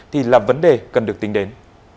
thì là vấn đề cần được tính đến